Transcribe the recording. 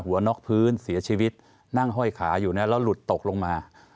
น็อกพื้นเสียชีวิตนั่งห้อยขาอยู่นะแล้วหลุดตกลงมา